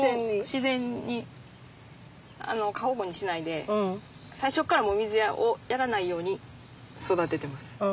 自然に過保護にしないで最初から水をやらないように育ててます。